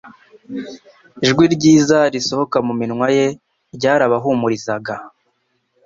ijwi ryiza risohoka mu minwa ye ryarabahumurizaga.